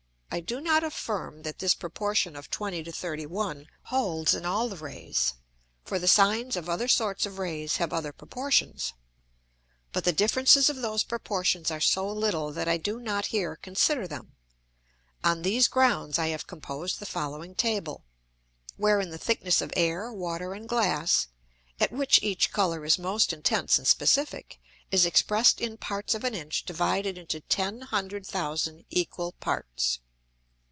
I do not affirm, that this proportion of 20 to 31, holds in all the Rays; for the Sines of other sorts of Rays have other Proportions. But the differences of those Proportions are so little that I do not here consider them. On these Grounds I have composed the following Table, wherein the thickness of Air, Water, and Glass, at which each Colour is most intense and specifick, is expressed in parts of an Inch divided into ten hundred thousand equal parts.